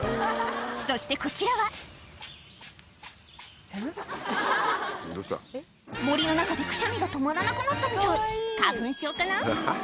そしてこちらは森の中でくしゃみが止まらなくなったみたい花粉症かな？